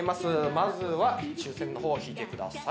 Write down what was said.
まずは抽選の方を引いてください。